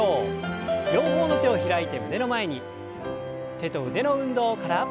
手と腕の運動から。